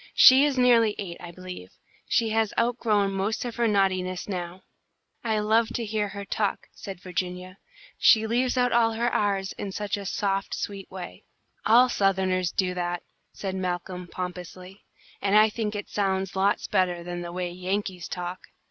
"She is nearly eight, I believe. She has outgrown most of her naughtiness now." "I love to hear her talk," said Virginia. "She leaves out all of her r's in such a soft, sweet way." "All Southerners do that," said Malcolm, pompously, "and I think it sounds lots better than the way Yankees talk."